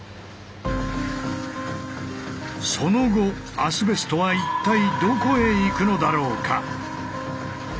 その後アスベストは一体どこへ行くのだろうか？